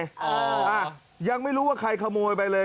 อ่ายังไม่รู้ว่าใครขโมยไปเลย